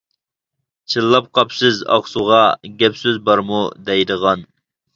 چىللاپ قاپسىز ئاقسۇغا، گەپ سۆز بارمۇ دەيدىغان.